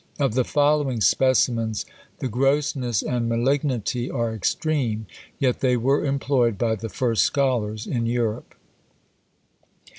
Of the following specimens the grossness and malignity are extreme; yet they were employed by the first scholars in Europe.